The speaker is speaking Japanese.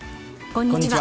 こんにちは。